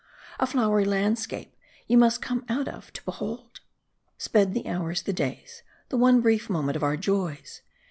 A flowery landscape, you must come out of, to behold. Sped the hours, the days, the one brief moment of our joys.